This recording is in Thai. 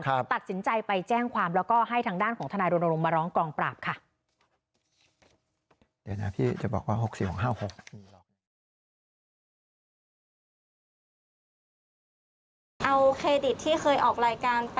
ตัดสินใจไปแจ้งความแล้วก็ให้ทางด้านของทนายรณรงค์มาร้องกองปราบค่ะ